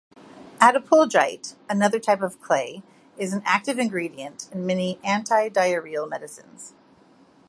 Attapulgite, another type of clay, is an active ingredient in many anti-diarrheal medicines.